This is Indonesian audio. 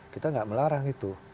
kita tidak melarang itu